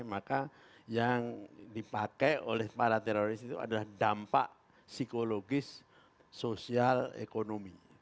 maka yang dipakai oleh para teroris itu adalah dampak psikologis sosial ekonomi